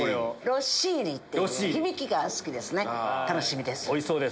ロッシーニって響きが好きですね楽しみです。